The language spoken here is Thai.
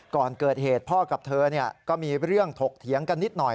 ก่อนเกิดเหตุพ่อกับเธอก็มีเรื่องถกเถียงกันนิดหน่อย